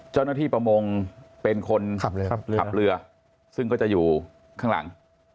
เจ้าหน้าที่ประมงเป็นคนขับเรือครับขับเรือซึ่งเขาจะอยู่ข้างหลัง